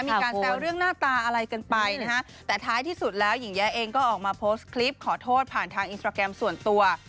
มีการแซวเรื่องหน้าตาอะไรกันไปนะฮะแต่ท้ายที่สุดแล้วหญิงแยะเองก็ออกมาโพสต์คลิปขอโทษผ่านทางอินสตราแกรมส่วนตัว